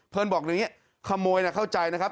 บอกอย่างนี้ขโมยเข้าใจนะครับ